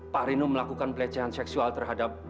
pak rino melakukan pelecehan seksual terhadap